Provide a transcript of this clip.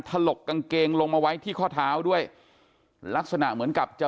ถลกกางเกงลงมาไว้ที่ข้อเท้าด้วยลักษณะเหมือนกับจะ